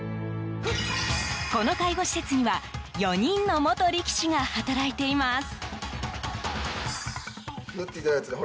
この介護施設には４人の元力士が働いています。